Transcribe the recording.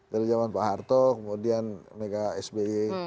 dari zaman pak harto kemudian mereka sby